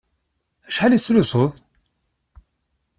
Acḥal i tettlusuḍ?